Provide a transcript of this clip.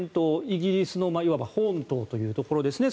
イギリスのいわば本島というところですね。